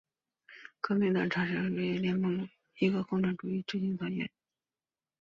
革命共产主义青年联盟是俄罗斯的一个共产主义青年组织。